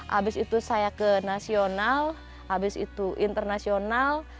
habis itu saya ke nasional habis itu internasional